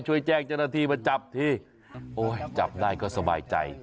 ช่วยแจ้งเจ้าหน้าที่มาจับทีโอ้ยจับได้ก็สบายใจ